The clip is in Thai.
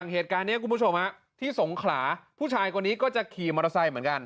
เหตุการณ์นี้คุณผู้ชมที่สงขลาผู้ชายคนนี้ก็จะขี่มอเตอร์ไซค์เหมือนกัน